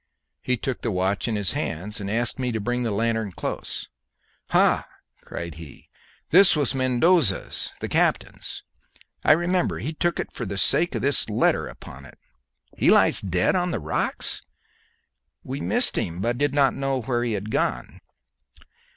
He took the watch in his hands, and asked me to bring the lanthorn close. "Ha!" cried he, "this was Mendoza's the captain's. I remember; he took it for the sake of this letter upon it. He lies dead on the rocks? We missed him, but did not know where he had gone."